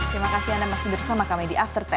terima kasih anda masih bersama kami di after sepuluh